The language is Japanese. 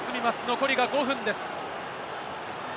残り５分です。